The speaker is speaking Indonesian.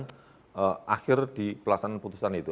penyidik di pelaksanaan putusan itu